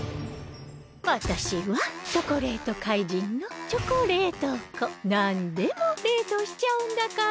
わたしはチョコレートかいじんのなんでも冷凍しちゃうんだから！